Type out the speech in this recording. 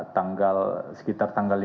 tanggal sekitar tanggal lima belas